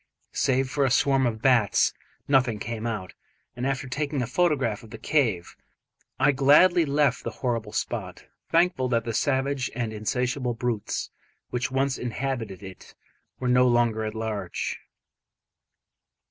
Save for a swarm of bats, nothing came out; and after taking a photograph of the cave, I gladly left the horrible spot, thankful that the savage and insatiable brutes which once inhabited it were no longer at large.